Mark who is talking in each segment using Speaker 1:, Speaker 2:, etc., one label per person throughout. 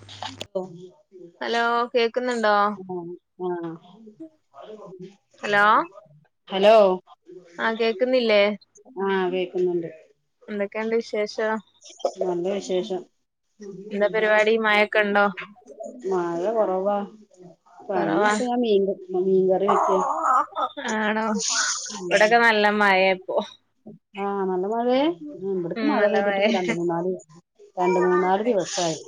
Speaker 1: [inaudible]
Speaker 2: Hello കേക്കുന്നുണ്ടോ
Speaker 1: ആ hello
Speaker 2: ആഹ് കേക്കുന്നില്ലേ
Speaker 1: ആഹ് കേക്കുന്നുണ്ട്
Speaker 2: എന്തൊക്കെണ്ട് വിശേഷം
Speaker 1: നല്ല വിശേഷം
Speaker 2: എന്താ പരിപാടി മഴൊക്കെ ഉണ്ടോ
Speaker 1: മഴ കൊറവാ പണി
Speaker 2: കുറവാ
Speaker 1: ഇപ്പ ഞാൻ മീൻ ക മീൻ കറി വെക്ക
Speaker 2: ആണോ ഇവടൊക്കെ നല്ല മയ ഇപ്പൊ
Speaker 1: ആഹ് നല്ല മഴേ ഉം ഇവടക്ക് മഴ പെയ്തിട്ട് ഇപ്പ രണ്ട് മൂന്നാല് രണ്ട് മൂന്നാല് ദിവസായി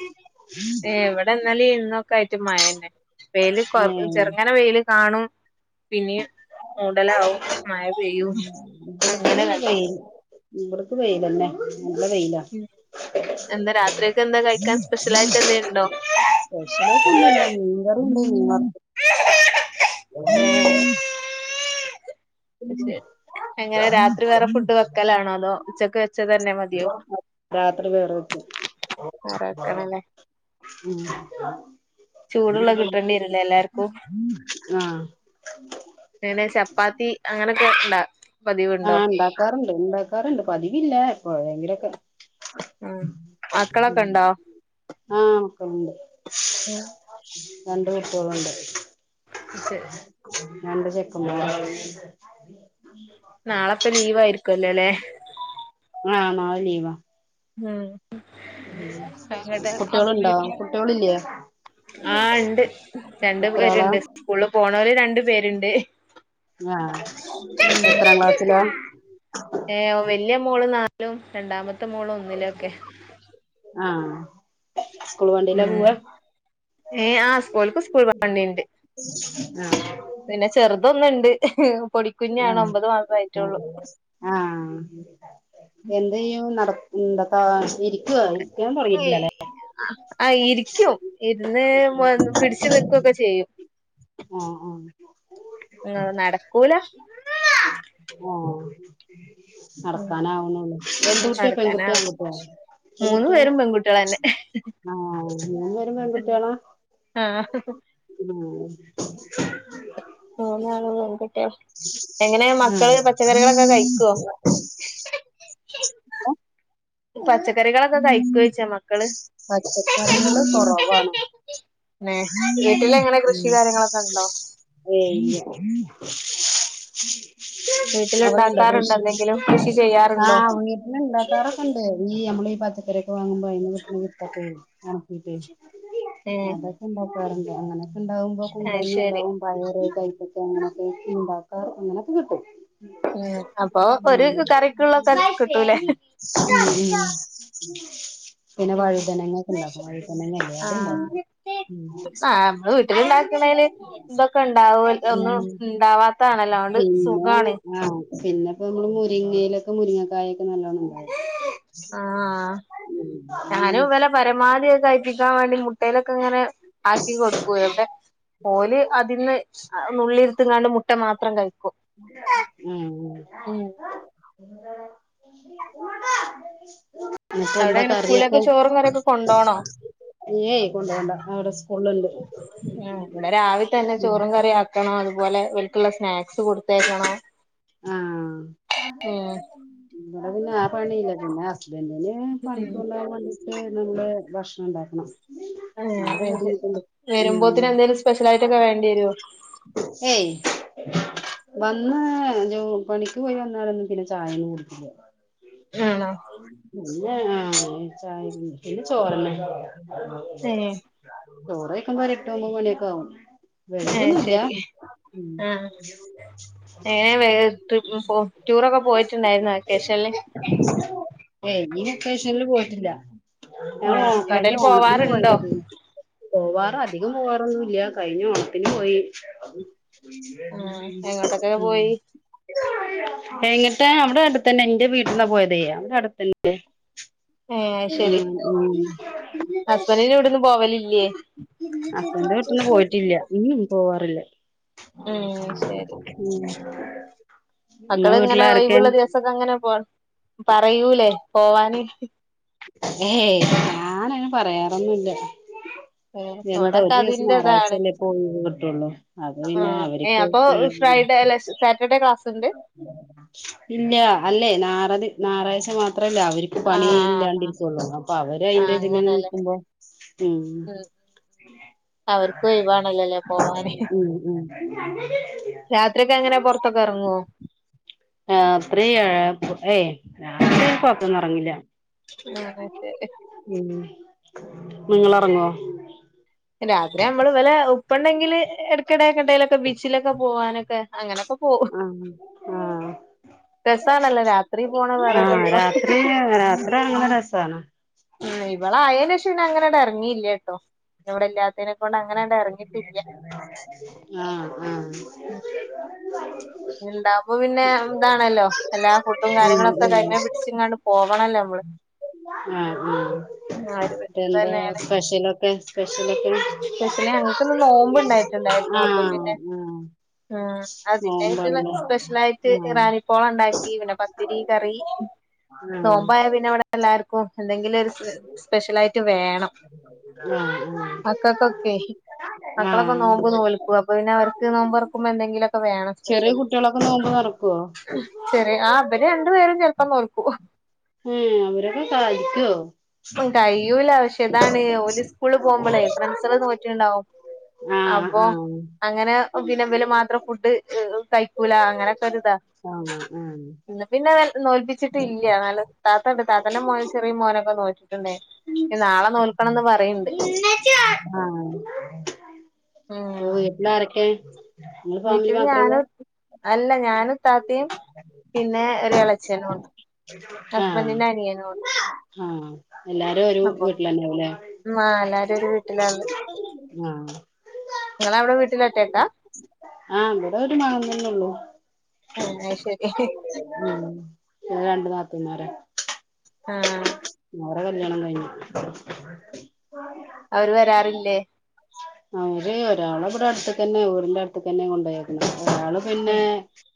Speaker 2: ഏ് വടെ ഇന്നലിം ഇന്നൊ ക്കായിട്ട് മഴന്നെ വെയില് കൊ
Speaker 1: ഏഹ്
Speaker 2: ചെറുങ്ങനെ വെയില് കാണും പിന്നീം മൂടലാവും മഴ പെയ്യും അങ്ങനെ കളിക്കുണു
Speaker 1: ഇവടക്ക് വെയിലന്നെ നല്ല വെയില
Speaker 2: എന്താ രാത്രിയൊക്കെ എന്താ കഴിക്കാൻ സ്പെഷ്യലായിട്ട് എന്തേലുണ്ടോ
Speaker 1: സ്പെഷ്യലായിട്ട് ഒന്നൂല്ല മീൻകറിണ്ട് മീൻ വറുത്ത [unintelligible]
Speaker 2: അശരി അങ്ങനെ രാത്രി വേറെ ഫുഡ് വെക്കലാണോ അതോ ഉച്ചക്ക് വെച്ചതന്നെ
Speaker 1: രാത്രി വേറെ വക്കും
Speaker 2: വേറെ വെക്കണല്ലേ
Speaker 1: ഉം
Speaker 2: ചൂടുള്ള കിട്ടണ്ടേരുല്ലേ എല്ലാർക്കും
Speaker 1: ആഹ്
Speaker 2: പിന്നെ ചപ്പാത്തി അങ്ങനൊക്കെ ഇണ്ടാ പതിവുണ്ടോ
Speaker 1: ആഹ് ഇണ്ടാക്കാറുണ്ട് ഇണ്ടാക്കാറുണ്ട് പതിവില്ല എപ്പോഴേങ്കിലൊക്കെ
Speaker 2: ഉം മക്കളൊക്കെണ്ടോ
Speaker 1: തുണ്ട്
Speaker 2: ഉം
Speaker 1: രണ്ട് കുട്ട്യോളുണ്ട്
Speaker 2: ശരി
Speaker 1: ഞണ്ട് വെക്കുമ്പോ
Speaker 2: നാളെപ്പ ലീവ് ആയിരിക്കല്ലോല്ലേ
Speaker 1: ആഹ് നാളെ ലീവാ
Speaker 2: ഉം അങ്ങട്ട്
Speaker 1: കുട്ട്യോളുണ്ടോ
Speaker 2: വീട്ടില്
Speaker 1: കുട്ട്യോള് ഇല്ലേ
Speaker 2: ആഹ് ഇണ്ട് രണ്ടു
Speaker 1: ആളാ
Speaker 2: പേരുണ്ട് സ്കൂളില് പോണോര് രണ്ടു പേരുണ്ട്
Speaker 1: ആഹ് എത്രാം ക്ലാസില
Speaker 2: ഏ വല്യ മോള് നാലിലും രണ്ടാമത്തെ മോള് ഒന്നിലും ഒക്കെ
Speaker 1: ആഹ് സ്കൂള് വണ്ടീല്ലാ
Speaker 2: ഉം
Speaker 1: പൂവാ
Speaker 2: ഏ ആ സ്കൂൾക്ക് സ്കൂൾ വണ്ടിണ്ട്
Speaker 1: ആഹ്
Speaker 2: പിന്നെ ചെറുതൊന്നുണ്ട് ഉപ്
Speaker 1: ആഹ് ആഹ് എന്തീയ്യും നട എന്തക്കാ ഇരിക്കോ ഇരി
Speaker 2: ആ ഇരിക്കും ഇരുന്ന് പിടിച്ചു നിക്കുക്കെ ചെയ്യും
Speaker 1: ആഹ് ആഹ്
Speaker 2: ന നടക്കൂല
Speaker 1: ആഹ്
Speaker 2: ഉം
Speaker 1: നടക്കാനാവുന്നുള്ളൂ എന്ത് കുട്ടിയാ
Speaker 2: നടക്കാനാ
Speaker 1: പെൺകുട്ട്യാ ആൺകുട്ട്യാ
Speaker 2: മൂന്നു
Speaker 1: പെൺകുട്ട്യാ
Speaker 2: പേരും പെൺകുട്ടികളന്നെ
Speaker 1: ആഹ് മൂന്ന് പേരും പെൺകുട്ട്യോളാ.
Speaker 2: ആഹ്.
Speaker 1: [unintelligible]
Speaker 2: മൂന്നാളും പെൺകു ട്ട്യാ എങ്ങനെ മക്കള് പച്ചക്കറികളൊക്കെ കഴിക്കോ?
Speaker 1: അ.
Speaker 2: ഉം പച്ചക്ക റികളൊക്കൊ കഴിക്കോ ചോദിച്ചാ മക്കള്.
Speaker 1: പച്ചക്കറികള് കൊറവാണ്
Speaker 2: ഏ വീട്ടിലെങ്ങനെ കൃഷി കാര്യങ്ങളൊക്കെ ഇണ്ടോ?
Speaker 1: [unintelligible] അവടെ ഉണ്ടോ
Speaker 2: വീട്ടിലുണ്ടാക്കാറുണ്ടോ
Speaker 1: കൃഷി
Speaker 2: എന്തെങ്കിലും കൃഷി ചെയ്യാറുണ്ടോ
Speaker 1: ആഹ് വീട്ടില് ഉണ്ടാക്കാറൊക്കെ ഉണ്ട് ഈ നമ്മള്. പച്ചക്കറിയൊക്കെ വാങ്ങുമ്പോ അതിന്റെ കൂടെ കിട്ടണ വിത്ത് ഒക്കെയെ ഉണക്കിട്ട്.
Speaker 2: ഉം.
Speaker 1: അങ്ങനൊക്കെ ഉണ്ടാവുമ്പോ
Speaker 2: അത്
Speaker 1: കുമ്പളങ്ങ
Speaker 2: ശരി
Speaker 1: ഉണ്ടാവും പയറ്, കൈപ്പയ് ക്ക
Speaker 2: ഉം
Speaker 1: അങ്ങനെയൊക്കെ ഉണ്ടാവും. ഓറ് അങ്ങനെയൊക്കെ കിട്ടും.
Speaker 2: ഉം അപ്പൊ ഒരു
Speaker 1: ഉം
Speaker 2: കറിക്കുള്ളതൊക്കെ കിട്ടൂലേ?
Speaker 1: ഉം ഉം പിന്നെ
Speaker 2: ഉം
Speaker 1: വഴുതനങ്ങ ഒക്കെ ഇണ്ടാക്കും വഴുതനങ്ങല്ലേ
Speaker 2: ആഹ്.
Speaker 1: അത്ണ്ടാക്കും
Speaker 2: ആഹ് നമ്മള് വീട്ടില ഇണ്ടാക്കണേല് ഇതൊക്കെ ഉണ്ടാവും ഒന്നും
Speaker 1: ഉം
Speaker 2: ഉണ്ടാവാത്തെ ആണല്ലോ.
Speaker 1: പിന്നെ ആഹ് പിന്നിപ്പോ നമ്മള് മുരിങ്ങേലൊക്കെ മുരിങ്ങക്കായ
Speaker 2: ആഹ് ഞാനും
Speaker 1: ഉം
Speaker 2: ഇവരെ പരമാവധി ഒക്കെ കഴിപ്പി ക്കാൻ വേണ്ടി മുട്ടയിലൊക്കെ ഇങ്ങനെ ആക്കി കൊടുക്കുവെ ഇവിടെ ഓല് അതിന്ന് ആഹ് നുള്ളിയെടുത്തെങ്ങാണ്ട് മുട്ട മാത്രം കഴിക്കും.
Speaker 1: ഉം ഉം. [unintelligible] ഇനിപ്പം
Speaker 2: അവിടെ
Speaker 1: എന്താ
Speaker 2: എങ്ങനെ സ്കൂളിലേക്ക്
Speaker 1: കറിയൊക്കെ.
Speaker 2: ചോറും കറിയൊക്കെ കൊണ്ടോണോ
Speaker 1: കഞ്ഞിയെ കൊണ്ട് പോകണ്ട അവിടെ സ്കൂളിലുണ്ട്.
Speaker 2: ഉം ഇവിടെ രാവിലെ തന്നെ ചോറും കറി ആക്കണം അതുപോലെ ഇവർക്കുള്ള സ്നാക്സ് കൊടുത്തയക്കണം.
Speaker 1: ആഹ് ഇവിടെ പിന്നെ ആ പണിയില്ല പിന്നെ ഹസ് സ്ബൻഡിന്
Speaker 2: ഉം
Speaker 1: പണിക്ക്‌ കൊണ്ട് പോകാൻ വേണ്ടിട്ട് നമ്മള് ഭക്ഷണം ഉണ്ടാക്കണം. ആ ഒരു
Speaker 2: ആഹ്
Speaker 1: ബുദ്ധിമുട്ടുണ്ട് ഉം
Speaker 2: വരുമ്പോത്തിന് എന്തേലും സ്പെഷ്യൽ ആയിട്ടൊക്കെ വേണ്ടി വരുവോ?
Speaker 1: ഏയ്. വന്ന് ജോ പണിക്ക് പോയി വന്നാലൊന്നും പിന്നെ ചായയൊന്നും കുടിക്കില്ല.
Speaker 2: ആണോ.
Speaker 1: പിന്നെ ആഹ് ചായ ഒന്നും കുടിക്കില്ല പിന്നെ ചോറ്‌ തന്നെ.
Speaker 2: ഏഹ്
Speaker 1: ചോറ്‌ കഴിക്കുമ്പോ ഒര് എട്ട് ഒൻപത് മണി ഒക്കെ ആവും.
Speaker 2: ആഹ്
Speaker 1: വൈകൊന്നുല്ല
Speaker 2: ശരി
Speaker 1: ഉം
Speaker 2: ആഹ്. ഏ [unintelligible] ടൂറൊക്കെ പോയിട്ടുണ്ടായിരുന്നോ വെക്കേഷനില്.
Speaker 1: ഏയ് ഈ വെക്കേഷനിൽ പോയിട്ടില്ല. ഞങ്ങൾ
Speaker 2: ഏഹ്
Speaker 1: കഴിഞ്ഞ
Speaker 2: എങ്ങട്ടേലും
Speaker 1: ഓണത്തിന്
Speaker 2: പോവാറുണ്ടോ
Speaker 1: പോയതാ പി പോവാറ് അധികം പോവാറൊന്നുംഇല്ല കഴിഞ്ഞ ഓണത്തിന് പോയി അതു.
Speaker 2: ആഹ് എങ്ങോട്ടൊക്കെ
Speaker 1: ഉം.
Speaker 2: പോയി
Speaker 1: എങ്ങിട്ട് അവിടെ അടുത്തന്നെ എന്റെ വീട്ടിന്നാ പോയതെ അവിടെ അടുത്തന്നെ.
Speaker 2: ഏഹ് അത് ശെരി
Speaker 1: ഉം ഉം
Speaker 2: ഹസ്ബന്റിന്റെ ഇവിടന്ന് പോവലില്ലേ.
Speaker 1: ഹസ്ബന്റിന്റെ വീട്ടിന്ന് പോയിട്ടില്ല ഉം പോവാറില്ല.
Speaker 2: ഉം ശരി
Speaker 1: ഉം.
Speaker 2: മക്കള് ഇങ്ങനെ ഒഴിവുള്ള ദിവസൊക്കെ അങ്ങനെ പോ പറയൂലേ പോവാന്.
Speaker 1: ഏയ് ഞാൻ അങ്ങനെ പറയാറൊന്നുമില്ല.
Speaker 2: [inaudible]
Speaker 1: എന്താ ഒരു
Speaker 2: ഇവിടൊക്കെ
Speaker 1: ദിവസം
Speaker 2: അതിന്റെതാണ്
Speaker 1: ഞായറാഴ്ചയല്ലേ ഇപ്പം ഒഴിവ് കിട്ടുള്ളൂ അത് പിന്നെ
Speaker 2: ആഹ് ഏഹ്
Speaker 1: അവര്ക്ക്
Speaker 2: അപ്പൊ
Speaker 1: ചെയ്യ
Speaker 2: ഫ്രൈഡേ അല്ല സാറ്റർഡേ ക്ലാസ് ഉണ്ട്
Speaker 1: ഇല്ല അല്ലേ നാറത്. ഞായറാഴ്ച മാത്രമല്ലേ അവർക്ക് പണി ഇല്ലാ
Speaker 2: ആഹ് ആഹ്
Speaker 1: ട്ടൊള്ളു അപ്പൊ അവര് അയിന്റെ ഇതിൽ ഇങ്ങനെ
Speaker 2: അങ്ങനെല്ലേ
Speaker 1: നിക്കുമ്പം ഉം
Speaker 2: ഉ [inaudible] അവർക്ക് ഒഴിവാണല്ലോല്ലേ പോവാന്
Speaker 1: ഉം ഉം
Speaker 2: രാത്രിയൊക്കെ എങ്ങനെ പൊറത്തൊക്കെ ഇറങ്ങുവോ [unintelligible] [unintelligible]
Speaker 1: ആഹ് രാത്രി ഏയ് രാത്രിയായ പൊറത്തൊന്നും ഇറങ്ങില്ല
Speaker 2: ആഹ് ശരി
Speaker 1: ഉം നിങ്ങള് ഇറങ്ങോ
Speaker 2: രാത്രി നമ്മള് ഇവലെ ഉപ്പ ഉണ്ടെങ്കില് ഇടയ്ക്കിടെ എങ്ങോട്ടേലുമൊക്കെ ബീച്ചിലൊക്കെ പോവാനൊക്കെ അങ്ങനൊക്കെ പോവും
Speaker 1: ആഹ് ആഹ്
Speaker 2: രസാണല്ലോ രാത്രി പോണ വേറെ
Speaker 1: ആഹ്
Speaker 2: രസാ
Speaker 1: രാത്രി [unintelligible] രസാണ്
Speaker 2: ഉം ഇവള ആയേല് ഷം ണ അങ്ങനെ ഇട എറങ്ങിയില്ലേ ട്ടോ. ഇവിടെൻ്റൊ അതിനെക്കൊണ്ട് അങ്ങനണ്ട് എറങ്ങിട്ടില്ല
Speaker 1: ആഹ് ആഹ്
Speaker 2: ഇണ്ടാപ് പിന്നെ ഇന്താണല്ലോ എല്ലാ ഫുഡും കാര്യങ്ങളും
Speaker 1: ഉം
Speaker 2: ഒക്ക കയിമെ
Speaker 1: ഉം
Speaker 2: പിടിച്ച്ങ്ങാണ്ട് പോകണല്ലോ കൂടെ
Speaker 1: ആഹ് ആഹ് മറ്റ് എന്തോ
Speaker 2: തന്നെയാണ്
Speaker 1: സ്പെഷ്യലൊക്കെ സ്പെഷ്യല്
Speaker 2: സ്പെഷ്യലി ഞങ്ങക്കിന്ന് നോമ്പ് ഇണ്ടായിട്ടുണ്ടായിരുന്നു
Speaker 1: ആഹ്
Speaker 2: അപ്പൊ പിന്നെ
Speaker 1: ആഹ്
Speaker 2: ആഹ് അതിൻ്റെ [unintelligible]
Speaker 1: നോമ്പാണ്ല്ലേ
Speaker 2: സ്പെഷ്യലായിറ്റ് ഇറാനിപ്പോള ഒണ്ടാക്കി പിന്നെ പത്തിരി കറി മ്
Speaker 1: ആഹ്
Speaker 2: നോമ്പായ പിന്നെ ഇവിടെ എല്ലാർക്കും എന്തെങ്കിലും ഒരു സ് സ്പെഷ്യൽ ആയി
Speaker 1: ആഹ് ആഹ്
Speaker 2: മക്കൾക്കൊക്കെ
Speaker 1: ആഹ്
Speaker 2: മക്കളൊക്ക നോമ്പ്
Speaker 1: ആഹ്
Speaker 2: നോൽക്കും അപ്പൊ പിന്നെ അവർക്ക് നോമ്പ്റക്കുമ്പ എന്തെങ്കിലൊക്ക [unintelligible]
Speaker 1: ചെറിയ
Speaker 2: മ്
Speaker 1: കുട്ടികളൊക്കെ നോമ്പ് തൊറക്കുവോ
Speaker 2: ശെരി ആ അവര് രണ്ടു പേരും ചെലപ്പം നോൽക്കും ഓഹ്
Speaker 1: ഉം അവരൊക്ക സഹായിക്കോ
Speaker 2: ഉം കഴിയൂല പക്ഷേ ഇതാണ് ഓര് സ്കൂളില് പോവുമ്പളേ ഫ്രണ്ട്സള് നോക്കി ഒണ്ടാവും
Speaker 1: ആഹ്
Speaker 2: അപ്പൊ
Speaker 1: ആഹ്
Speaker 2: അങ്ങനെ പിനമ്പില് മാത്രം ഫുഡ് ഇഹ് ഒ കയിക്കൂല അങ്ങനെ ഒക്കെ ഒര് ഇതാ.
Speaker 1: ആഹ് ആഹ്
Speaker 2: ഇന്ന് പിന്നെ വെൽ നോൽപ്പിച്ചിട്ടില്ല്യ നല്ലത് താത്തണ്ട് താത്തന്റെ മോൻ ചെറിയ മോനൊക്ക നോക്കി പറയണ്ട്
Speaker 1: ആഹ്
Speaker 2: ഉം
Speaker 1: ഒ വീട്ടിലാരക്കെ
Speaker 2: വീട്ടിൽ ഞാനും അല്ല ഞാനും ഇത്താത്തിയും പിന്നെ ഒര് എളേ ചെലവൊണ്ട്
Speaker 1: ആഹ് ആഹ് എല്ലാരും ഒരു
Speaker 2: അപ്പൊ
Speaker 1: വീട്ടിലല്ലോലെ
Speaker 2: ആ എല്ലാരും ഒരു വീട്ടിലാള്ളെ
Speaker 1: ങാ
Speaker 2: നിങ്ങളവിടെ വീട്ടിലൊറ്റക്കാ
Speaker 1: ആഹ് ഇവിടെ ഒര് വാങ്ങൽ ല്ലോള്ളൂ
Speaker 2: ആ അയ്ശരി
Speaker 1: ആഹ് ഞങ്ങൾ രണ്ട് നാത്തൂൻമാരാ
Speaker 2: ആഹ്
Speaker 1: അവള കല്യാണം കഴിഞ്ഞ്
Speaker 2: അവര് വരാറില്ലേ
Speaker 1: അവര് ഒരാള് ഇവിടെ അടുത്ത് തന്നെ ഊരിന്റെ അടുത്ത് തന്നെ കൊണ്ട് പോയേക്കണത് അയാള് പിന്നെ
Speaker 2: ഉം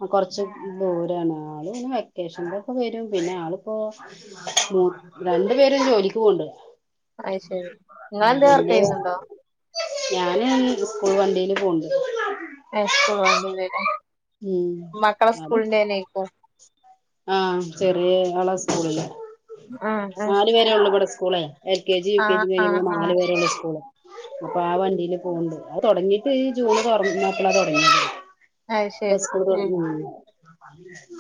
Speaker 1: അ കൊറച്ച് ദൂരാണ് ആള് ഇങ്ങനെ വെ കേശൂൻ്റൊപ്പം വരും പിന്നെ ആളിപ്പോ [unintelligible] രണ്ടു പേരും ജോലിക്ക് പോണൊണ്ട്
Speaker 2: അയ്ശരി നിങ്ങളെന്തേ വർക്ക്
Speaker 1: [inaudible]
Speaker 2: ചെയ്യുന്നുണ്ടോ
Speaker 1: ഞാന് ഇന്ന് ഇപ്പോൾ വണ്ടീല് പോണൊണ്ട്
Speaker 2: ഹൈസ്കൂൾ വണ്ടീലല്ലേ
Speaker 1: ഉം
Speaker 2: മക്കള
Speaker 1: അത്
Speaker 2: സ്കൂളിന്റെ തന്നെ ഇപ്പോ
Speaker 1: ആഹ് ചെറിയ ആള സ്‌കൂളില്ലേ
Speaker 2: ആ
Speaker 1: നാല് വേരെ ഉള്ളു ഇവ്ടെ school L K G U
Speaker 2: ആ
Speaker 1: കെ ജി
Speaker 2: ആ
Speaker 1: കഴിഞ്ഞാ
Speaker 2: ആ
Speaker 1: നാല് വരെയല്ലേ സ്കൂള് അപ്പൊ ആ വണ്ടീല് പോണ് ണ്ട്. അത് തൊടങ്ങീട്ട് ജൂണ് തൊറന്നപ്പളാ തൊടങ്ങിയ ബസ്
Speaker 2: അയ്ശരി
Speaker 1: സ്‌കൂളു
Speaker 2: ഏ
Speaker 1: [unintelligible]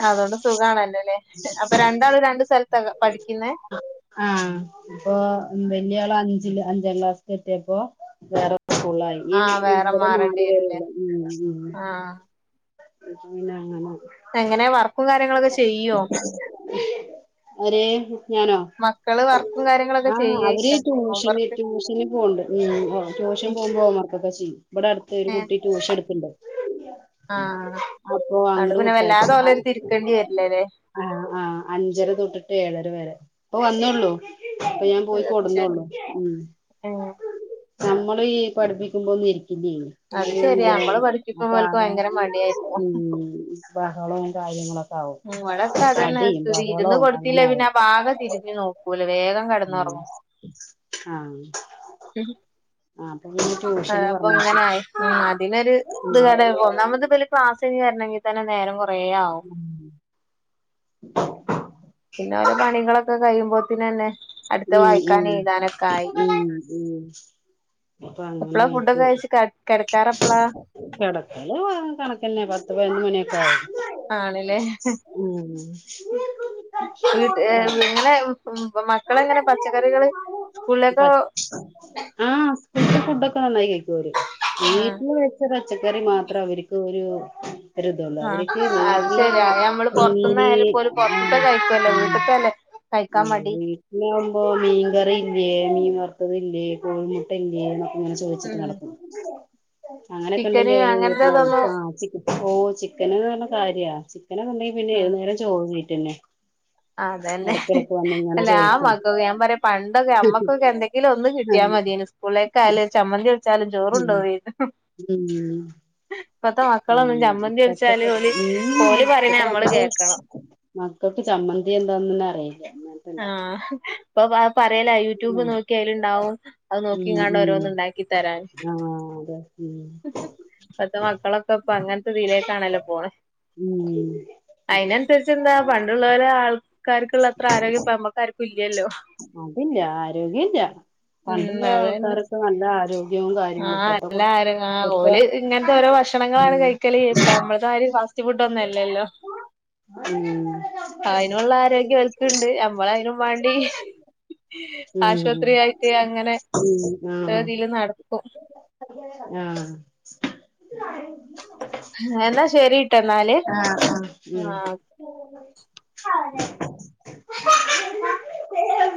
Speaker 2: അതുകൊണ്ട് സുഖാണല്ലോ ല്ലേ അപ്പൊ രണ്ടാളും രണ്ട് സ്ഥലത്താ പഠിക്കുന്നേ?
Speaker 1: ആഹ് ഇപ്പൊ വലിയ ആള് അഞ്ചില് അഞ്ചാം ക്ലാസിൽ എത്തിയേക്കുവാ. വേറെ ഫുള്ളായി. ഈ
Speaker 2: ആ വേറെ
Speaker 1: ഇവിടെ
Speaker 2: മാറേണ്ടി
Speaker 1: നാലു
Speaker 2: വരൂല്ലേ
Speaker 1: പേരുള്ളൂ. ഊം ഊം
Speaker 2: ആ
Speaker 1: [unintelligible] പിന്നെ അങ്ങനെ
Speaker 2: എങ്ങനെ വർക്കും കാര്യങ്ങളൊക്ക ചെയ്യോ
Speaker 1: ആര് ഞാനോ
Speaker 2: മക്കള് വർക്കും കാര്യങ്ങളൊക്കെ
Speaker 1: ആ അവര്
Speaker 2: ചെയ്യേക്കാ
Speaker 1: ട്യൂഷന്
Speaker 2: ഹോംവർക്ക്
Speaker 1: ട്യൂഷന് പോണ് ണ്ട്. ഉം ആ ട്യൂഷൻ പോവുമ്പോ മ ഇതൊക്ക ചെയ്യും. ഇവടെ അടുത്ത് ഒരു
Speaker 2: ഏ
Speaker 1: കുട്ടി ട്യൂഷൻ ഇട്ക്ക്ണ്ട്
Speaker 2: ആ ആഹ്
Speaker 1: അപ്പൊ അങ്ങട് കൊടുത്തയക്കും.
Speaker 2: വരില്ലല്ലേ
Speaker 1: ആഹ് അഞ്ചര തൊട്ടിട്ട് ഏഴര വരെ ഇപ്പ വന്നൊള്ളു അപ്പൊ ഞാൻ പോയി
Speaker 2: അത് ശരി
Speaker 1: കൊട്ന്നൊള്ളു. ഉം
Speaker 2: ഉം
Speaker 1: നമ്മള് ഈ പഠിപ്പിക്കുമ്പോ ഒന്നു ഇരിക്കില്ലേ
Speaker 2: അത്
Speaker 1: അവര്
Speaker 2: ശരിയാ
Speaker 1: ഇങ്ങനെ
Speaker 2: നമ്മള്
Speaker 1: അപ്പൊ
Speaker 2: പഠിപ്പിക്കുമ്പോ ഓൽക്ക്
Speaker 1: ആകെ
Speaker 2: ഭയങ്കര മടിയായിരിക്കും
Speaker 1: ഉം ബഹളവും കാര്യങ്ങളൊ
Speaker 2: മ് ഇവിടൊക്കെ അതന്നെ സ്തിതി ഇരുന്ന്
Speaker 1: അങ്ങനെ
Speaker 2: കൊടുത്തില്ലേ
Speaker 1: ആവും
Speaker 2: പിന്നെ ആ ഭാഗം തിരിഞ്ഞു നോക്കൂല വേഗം
Speaker 1: ഉം
Speaker 2: കെടന്നൊറങ്ങും
Speaker 1: ആഹ് ആഹ് അപ്പൊ പിന്നെ ട്യൂഷന്
Speaker 2: അപ്പൊ
Speaker 1: പറഞ്ഞയച്ചു
Speaker 2: ഇങ്ങനായി. ഉം അതിനൊരു ഇത് [unintelligible] ഒന്നാമത് ഇബല് ക്ലാസ യ്ഞ്ഞ് വര്നങ്കി തന്നെ നേരം കൊർ
Speaker 1: ഉം
Speaker 2: പിന്നെ ഓലെ പണികളൊക്കെ കഴിയുമ്പോത്തിനന്നെ അടുത്ത
Speaker 1: ഉം ഉം
Speaker 2: വായിക്കാനും എഴുതാനൊക്കെ ആയി
Speaker 1: ഉം ഉം അപ്പൊ
Speaker 2: എപ്പളാ ഫുഡൊക്കെ
Speaker 1: അങ്ങനായിട്ട്
Speaker 2: കഴിച്ച് കെടക്കാറെപ്പളാ
Speaker 1: കിടക്കല് കണക്കന്നെ പ ത്ത് പതിനൊന്ന് മണിയൊക്കെ ആവും.
Speaker 2: ആണ്ല്ലേ
Speaker 1: ഉം
Speaker 2: വീട്ട് ഏ നിങ്ങളെ ഉം ഇപ്പം മക്കള് എങ്ങനെ പച്ചക്കറികള് സ്കൂളിലേക്
Speaker 1: [unintelligible] ഫുഡ് ഒക്കെ നന്നായി കഴിക്കും അവര്.
Speaker 2: ആഹ്
Speaker 1: വീട്ടില് വെച്ചതാ പച്ചക്കറി മാത്രം അവർക്ക് ഒരു ഒര് ഇതൊള്ളൂ അവർക്ക്
Speaker 2: അത്
Speaker 1: വീട്ടില്
Speaker 2: ശരിയാ ഞമ്മള്
Speaker 1: മീന്
Speaker 2: പുറത്തുന്നായാലും പോലും പുറത്തത്തെ
Speaker 1: ആഹ്
Speaker 2: കഴിക്കുവല്ലോ
Speaker 1: ആഹ്
Speaker 2: വീട്ടത്തല്ലേ കഴിക്കാൻ
Speaker 1: ഉം
Speaker 2: മടി
Speaker 1: വീട്ടിലാവുമ്പോ മീൻകറി ഇല്യേ മീൻ വർത്തതില്ലേ കോഴിമുട്ട ഇല്ലേ എന്നൊക്കെ ഇങ്ങനെ ചോദിച്ചിട്ട്
Speaker 2: ഉം
Speaker 1: നടക്കും അങ്ങനൊക്കെ
Speaker 2: ചിക്കന്
Speaker 1: ഉണ്ടെങ്കിൽ അവര്
Speaker 2: അങ്ങനത്തെതൊന്നും
Speaker 1: ആ ഓ ചിക്കൻന്ന് പറഞ്ഞ കാര്യാ ചിക്കനെക്കെ ഉണ്ടങ്കി പിന്നെ ഏതു നേരവും ചോറ് തീറ്റ തന്നെ
Speaker 2: ലെ... എല്ലാ
Speaker 1: ചോദിക്കും
Speaker 2: മക്കക്കും ഞാൻ പറയാ പണ്ടൊക്കെ ഞമ്മക്കൊക്കെ എന്തെങ്കിലും ഒന്ന് കിട്ടിയാ
Speaker 1: ആഹ്
Speaker 2: മതിയേന് സ്കൂള് ക്കായാലും ഒര് ചമ്മന്തി [unintelligible]
Speaker 1: ഉം
Speaker 2: ചോറുണ്ടോവേര്ന്നു
Speaker 1: ഉം
Speaker 2: ഇപ്പത്തെ മക്കളൊന്നും
Speaker 1: [unintelligible]
Speaker 2: ചമ്മന്തി വിളിച്ചാല്
Speaker 1: ഇപ്പത്തൊക്കെ
Speaker 2: ഓല്
Speaker 1: മ്
Speaker 2: ഓല് പറയണ
Speaker 1: ഇപ്പത്തെ
Speaker 2: നമ്മള് കേക്കണം
Speaker 1: മക്കൾക്ക് ചമ് ചമ്മന്തി എന്താന്നെന്നെ അറീല്ല
Speaker 2: ആഹ് ഇപ്പൊ പറയലാ യൂട്യൂബ്
Speaker 1: ഉം
Speaker 2: നോക്കി അയിലുണ്ടാവും അത്
Speaker 1: ഉം
Speaker 2: നോക്കിങ്ങാണ്ട്
Speaker 1: ഉം
Speaker 2: ഓരോന്നും ഉണ്ടാക്കി തരാ
Speaker 1: ആഹ് അതെ ഉം
Speaker 2: ഇപ്പൾത്തെ മക്കളൊക്കെ ഇപ്പ അങ്ങൻത്തെ ഇതിലേക്കാണല്ലോ പോണത്
Speaker 1: ഉം
Speaker 2: അയിനനുസരിച്ച് എന്താ പണ്ടുള്ളവരെ ആൾക്കാർക്കുള്ള അത്ര ആരോഗ്യം ഇപ്പ നമ്മക്കാർക്കും ഇല്ലല്ലോ
Speaker 1: അതില്ല ആരോഗ്യം ഇല്ല
Speaker 2: ഉം
Speaker 1: പണ്ടുള്ള
Speaker 2: അത് തന്നെ
Speaker 1: ആൾക്കാരൊക്കെ നല്ല ആരോഗ്യവും കാര്യങ്ങളും
Speaker 2: ആഹ്
Speaker 1: ഇപ്പത്തെ കു
Speaker 2: എല്ലാരും ആ
Speaker 1: ഇപ്പത്തെ
Speaker 2: ഓല് ഇങ്ങനത്തെ ഒരോ ഭ ക്ഷണങ്ങളാണ്
Speaker 1: ഉം
Speaker 2: കഴിക്കല് ഇപ്പം നമ്മൾ [unintelligible] ബുദ്ധിമുട്ടൊന്നല്ലല്ലോ
Speaker 1: ഉം
Speaker 2: അയിനുള്ള ആരോഗ്യം ഓൽക്ക്ണ്ട് നമ്മള് വാണ്ടി
Speaker 1: ഉം
Speaker 2: ആശുപത്രി ആയിട്ട് അങ്ങനെ
Speaker 1: ഉം
Speaker 2: ഒരു
Speaker 1: ആഹ്
Speaker 2: തില് നടക്കും
Speaker 1: ആഹ്
Speaker 2: എന്നാ ശരിട്ടൊ ഇന്നാല്
Speaker 1: ആഹ് ആഹ്
Speaker 2: ആഹ്
Speaker 1: ഉം [inaudible]
Speaker 2: കട്ട [unintelligible]